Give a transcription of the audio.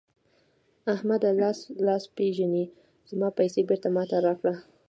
احمده؛ لاس لاس پېژني ـ زما پيسې بېرته ما ته راکړه.